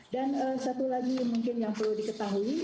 dan satu lagi mungkin yang perlu diketahui